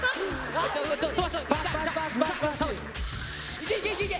いけいけいけいけ！